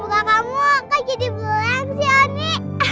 muka kamu kok jadi belang sih oni